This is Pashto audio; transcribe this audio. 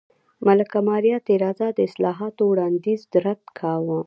ملکه ماریا تېرازا د اصلاحاتو وړاندیز رد کاوه.